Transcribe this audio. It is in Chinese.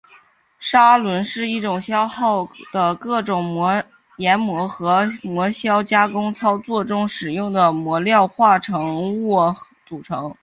砂轮是一个消耗的各种研磨和磨削加工操作中使用的磨料化合物组成的。